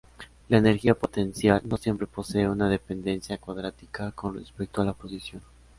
La energía potencial no siempre posee una dependencia cuadrática con respecto a la posición.